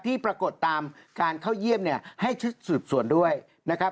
ที่ปรากฏตามการเข้าเยี่ยมให้สูดส่วนด้วยนะครับ